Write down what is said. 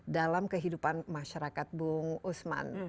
dalam kehidupan masyarakat bung usman